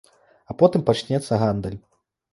А потым пачнецца гандаль.